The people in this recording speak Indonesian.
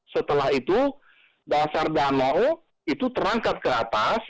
setelah itu dasar danau itu terangkat ke atas